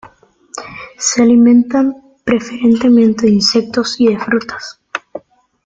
Se alimentan preferentemente de insectos y de frutas.